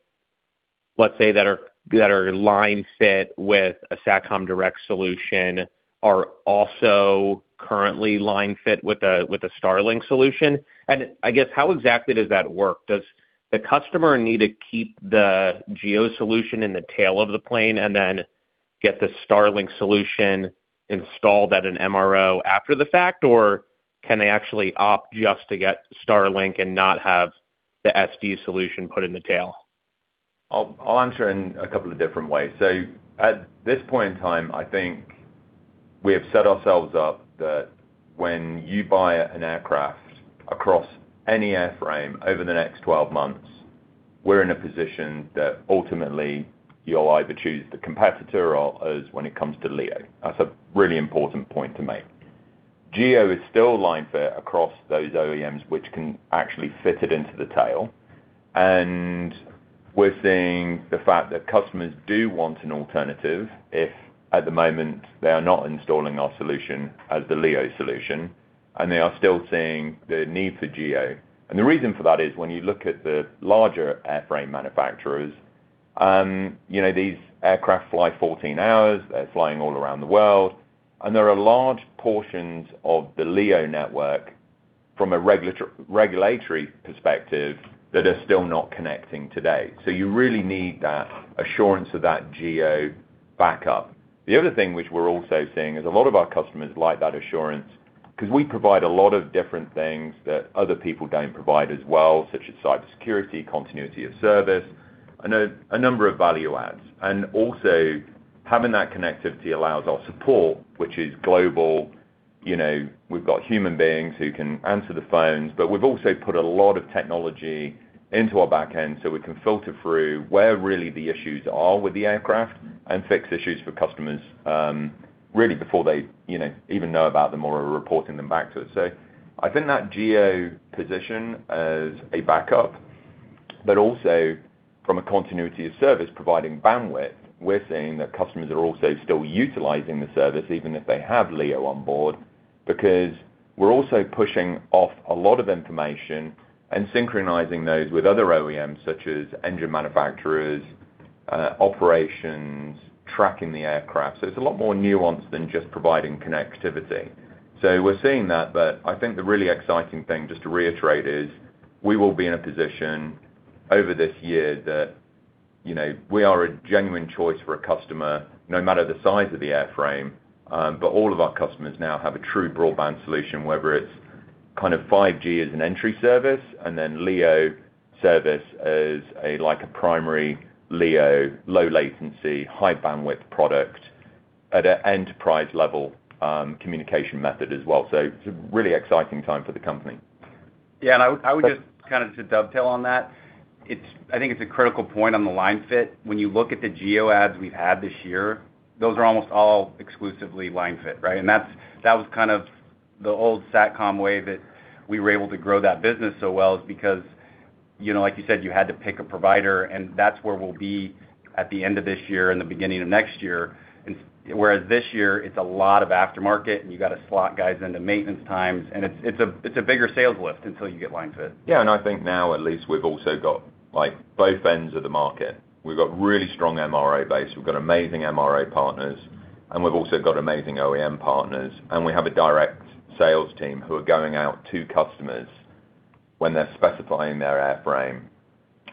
let's say, that are line fit with a Satcom Direct solution, are also currently line fit with a Starlink solution? I guess, how exactly does that work? Does the customer need to keep the GEO solution in the tail of the plane and then get the Starlink solution installed at an MRO after the fact, or can they actually opt just to get Starlink and not have the SD solution put in the tail? I'll answer in a couple of different ways. At this point in time, I think we have set ourselves up that when you buy an aircraft across any airframe over the next 12 months, we're in a position that ultimately you'll either choose the competitor or us when it comes to LEO. That's a really important point to make. GEO is still line fit across those OEMs, which can actually fit it into the tail, and we're seeing the fact that customers do want an alternative, if at the moment, they are not installing our solution as the LEO solution, and they are still seeing the need for GEO. The reason for that is when you look at the larger airframe manufacturers, you know, these aircraft fly 14 hours, they're flying all around the world, and there are large portions of the LEO network from a regulatory perspective, that are still not connecting today. You really need that assurance of that GEO backup. The other thing which we're also seeing is a lot of our customers like that assurance, 'cause we provide a lot of different things that other people don't provide as well, such as cybersecurity, continuity of service. I know a number of value adds, and also having that connectivity allows our support, which is global. You know, we've got human beings who can answer the phones, but we've also put a lot of technology into our back end, so we can filter through where really the issues are with the aircraft and fix issues for customers, really before they, you know, even know about them or are reporting them back to us. I think that GEO position as a backup, but also from a continuity of service, providing bandwidth, we're seeing that customers are also still utilizing the service, even if they have LEO on board, because we're also pushing off a lot of information and synchronizing those with other OEMs, such as engine manufacturers, operations, tracking the aircraft. It's a lot more nuanced than just providing connectivity. We're seeing that, but I think the really exciting thing, just to reiterate, is we will be in a position over this year that, you know, we are a genuine choice for a customer, no matter the size of the airframe. All of our customers now have a true broadband solution, whether it's kind of 5G as an entry service and then LEO service as a, like, a primary LEO, low latency, high bandwidth product at an enterprise level, communication method as well. It's a really exciting time for the company. I would just kind of to dovetail on that. I think it's a critical point on the line fit. When you look at the GEO adds we've had this year, those are almost all exclusively line fit, right? That's, that was kind of the old SATCOM way that we were able to grow that business so well, is because, you know, like you said, you had to pick a provider, and that's where we'll be at the end of this year and the beginning of next year. Whereas this year, it's a lot of aftermarket, and you've got to slot guys into maintenance times, and it's a bigger sales lift until you get line fit. Yeah, I think now at least, we've also got, like, both ends of the market. We've got really strong MRO base, we've got amazing MRO partners, we've also got amazing OEM partners, we have a direct sales team who are going out to customers when they're specifying their airframe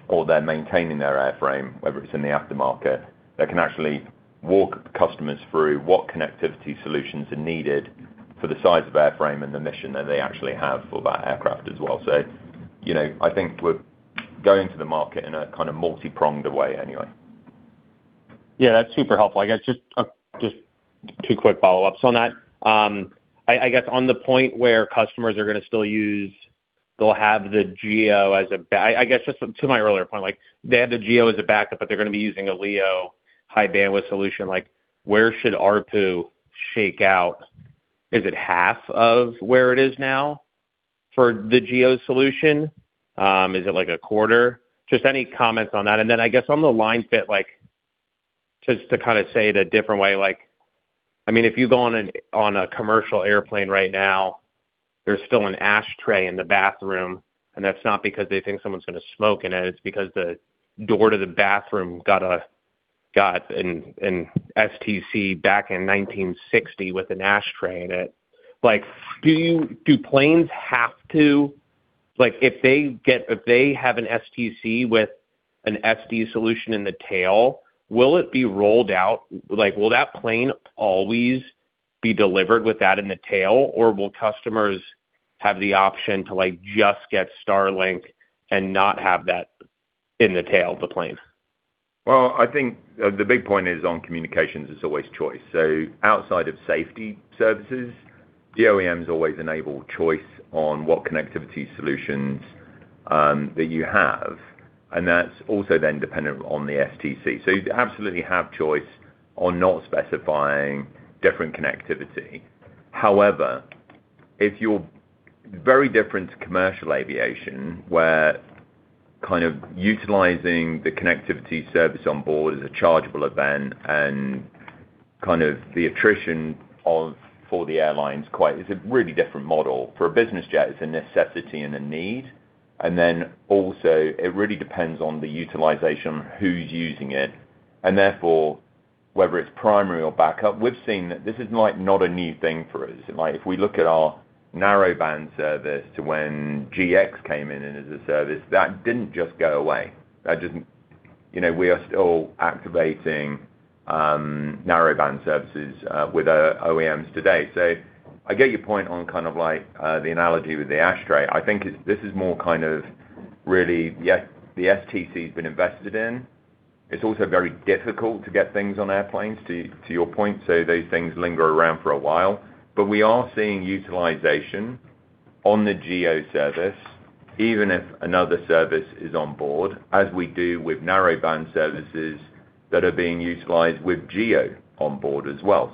or they're maintaining their airframe, whether it's in the aftermarket, that can actually walk customers through what connectivity solutions are needed for the size of airframe and the mission that they actually have for that aircraft as well. You know, I think we're going to the market in a kind of multipronged way anyway. Yeah, that's super helpful. I guess just 2 quick follow-ups on that. I guess on the point where I guess just to my earlier point, like, they have the GEO as a backup, but they're gonna be using a LEO high bandwidth solution, like, where should ARPU shake out? Is it half of where it is now for the GEO solution? Is it, like, a quarter? Just any comments on that. I guess on the line fit, like, just to kind of say it a different way, like, I mean, if you go on a commercial airplane right now, there's still an ashtray in the bathroom, and that's not because they think someone's gonna smoke in it. It's because the door to the bathroom got an STC back in 1960 with an ashtray in it. Like, do planes have to like, if they have an STC with an SD solution in the tail, will it be rolled out? Like, will that plane always be delivered with that in the tail, or will customers have the option to, like, just get Starlink and not have that in the tail of the plane? I think the big point is, on communications, it's always choice. Outside of safety services, the OEM has always enabled choice on what connectivity solutions that you have, and that's also dependent on the STC. You absolutely have choice on not specifying different connectivity. However, if you're very different to commercial aviation, where kind of utilizing the connectivity service on board is a chargeable event and kind of the attrition for the airlines, it's a really different model. For a business jet, it's a necessity and a need, and also it really depends on the utilization, who's using it, and therefore, whether it's primary or backup. We've seen that this is, like, not a new thing for us. If we look at our narrowband service to when GX came in and as a service, that didn't just go away. You know, we are still activating narrowband services with our OEMs today. I get your point on kind of like the analogy with the ashtray. I think it's, this is more kind of really, yeah, the STC's been invested in. It's also very difficult to get things on airplanes, to your point, so those things linger around for a while. We are seeing utilization on the GEO service, even if another service is on board, as we do with narrowband services that are being utilized with GEO on board as well.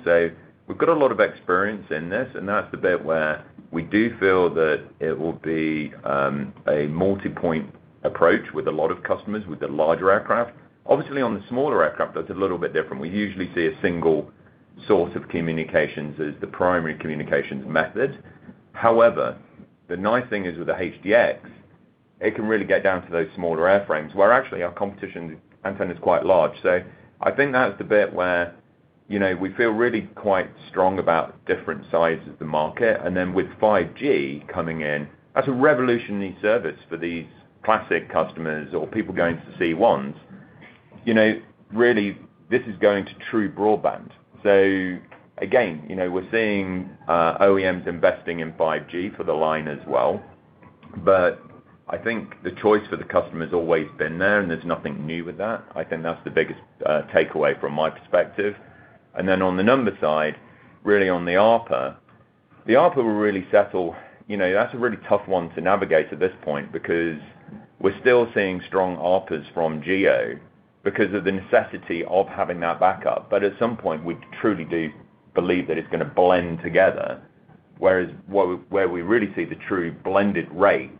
We've got a lot of experience in this, and that's the bit where we do feel that it will be a multipoint approach with a lot of customers, with the larger aircraft. Obviously, on the smaller aircraft, that's a little bit different. We usually see a single source of communications as the primary communications method. The nice thing is, with the HDX, it can really get down to those smaller airframes, where actually our competition antenna is quite large. I think that's the bit where, you know, we feel really quite strong about different sides of the market. With 5G coming in, that's a revolutionary service for these Classic customers or people going to Gogo C1. You know, really, this is going to true broadband. Again, you know, we're seeing OEMs investing in 5G for the line as well. I think the choice for the customer has always been there, and there's nothing new with that. I think that's the biggest takeaway from my perspective. On the number side, really on the ARPU, the ARPU will really settle. You know, that's a really tough one to navigate at this point, because we're still seeing strong ARPUs from GEO because of the necessity of having that backup. But at some point, we truly do believe that it's gonna blend together. Whereas, where we really see the true blended rates,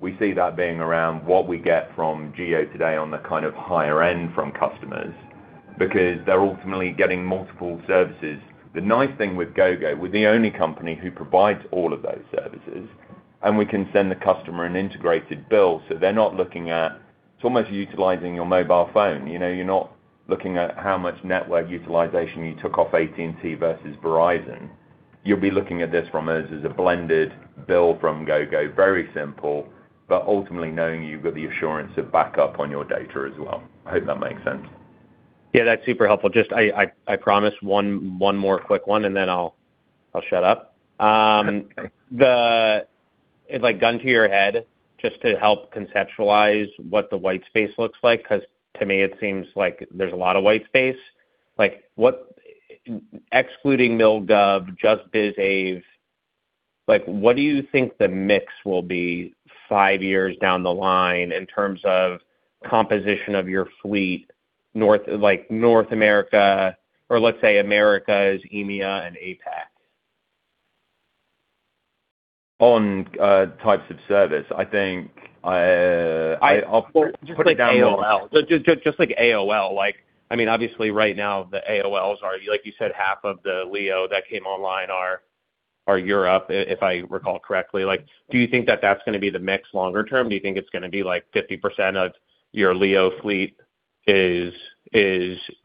we see that being around what we get from GEO today on the kind of higher end from customers, because they're ultimately getting multiple services. The nice thing with Gogo, we're the only company who provides all of those services, and we can send the customer an integrated bill, so they're not looking at it's almost utilizing your mobile phone. You know, you're not looking at how much network utilization you took off AT&T versus Verizon. You'll be looking at this from us as a blended bill from Gogo. Very simple, but ultimately knowing you've got the assurance of backup on your data as well. I hope that makes sense. Yeah, that's super helpful. Just I promise one more quick one, and then I'll shut up. If like, gun to your head, just to help conceptualize what the white space looks like, 'cause to me it seems like there's a lot of white space. Like, excluding Milgov, just biz av, like, what do you think the mix will be five years down the line in terms of composition of your fleet, north, like, North America, or let's say Americas, EMEA, and APAC? On, types of service, I think, I'll put it down. Just like AOL. Like, just like AOL. Like, I mean, obviously right now the AOLs are, like you said, half of the LEO that came online are Europe, if I recall correctly. Like, do you think that that's gonna be the mix longer term? Do you think it's gonna be like 50% of your LEO fleet is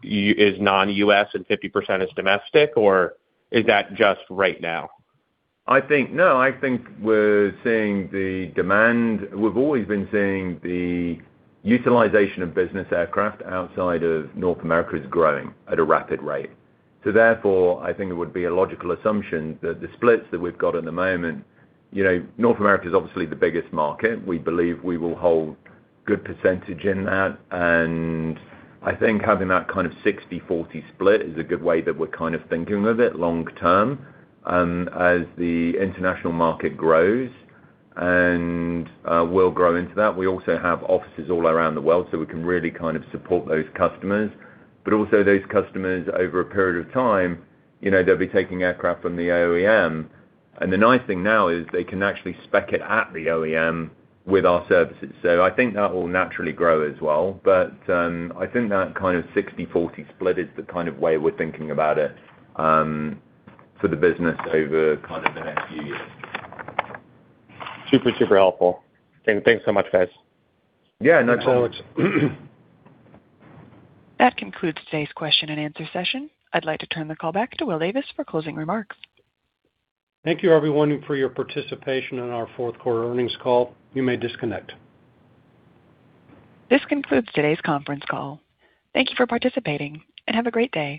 non-U.S. and 50% is domestic, or is that just right now? I think no, I think we're seeing the demand we've always been seeing the utilization of business aircraft outside of North America is growing at a rapid rate. Therefore, I think it would be a logical assumption that the splits that we've got at the moment, you know, North America is obviously the biggest market. We believe we will hold good percentage in that, and I think having that kind of 60/40 split is a good way that we're kind of thinking of it long term. As the international market grows, and we'll grow into that. We also have offices all around the world, so we can really kind of support those customers. Also those customers, over a period of time, you know, they'll be taking aircraft from the OEM. The nice thing now is they can actually spec it at the OEM with our services. I think that will naturally grow as well. I think that kind of 60/40 split is the kind of way we're thinking about it for the business over kind of the next few years. Super, super helpful. Thanks so much, guys. Yeah, no problem. Thanks so much. That concludes today's question and answer session. I'd like to turn the call back to Will Davis for closing remarks. Thank you, everyone, for your participation in our fourth quarter earnings call. You may disconnect. This concludes today's conference call. Thank you for participating, and have a great day.